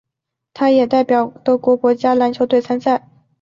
他也代表德国国家篮球队参赛。